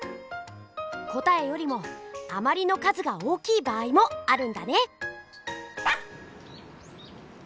答えよりもあまりの数が大きい場合もあるんだね！